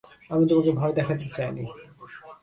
আমি তোমাকে ভয় দেখাতে চাইনি।